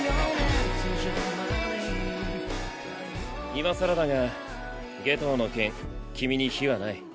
今更だが夏油の件君に非はない。